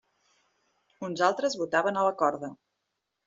Uns altres botaven a la corda.